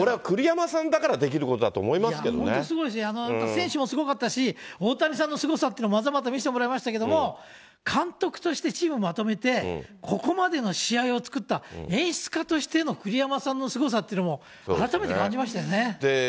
選手もすごかったし、大谷さんのすごさっていうのを、まざまざ見せてもらいましたけれども、監督としてチームまとめて、ここまでの試合を作った演出家としての栗山さんのすごさというのも、改めて感じましたよね。